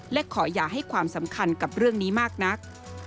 และขออย่าให้ความสำคัญกับเรื่องนี้มากนัก